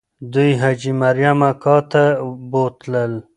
دوی حاجي مریم اکا ته بوتلل.